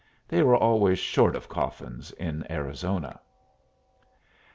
They were always short of coffins in Arizona.